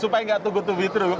supaya tidak to be true